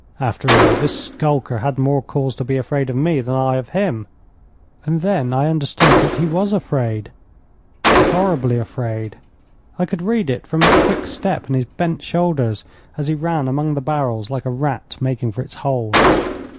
After all, this skulker had more cause to be afraid of me than I of him. And then suddenly I understood that he was afraid horribly afraid. I could read it from his quick step and his bent shoulders as he ran among the barrels, like a rat making for its hole.